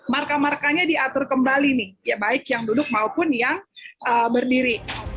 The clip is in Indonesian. marka markanya diatur kembali nih ya baik yang duduk maupun yang berdiri